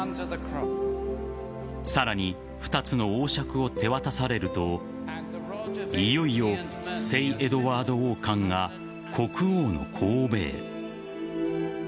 さらに２つの王笏を手渡されるといよいよ、聖エドワード王冠が国王のこうべへ。